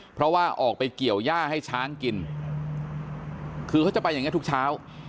เพราะว่าออกไปเกี่ยวย่าให้ช้างกินคือเขาจะไปอย่างนี้ทุกเช้า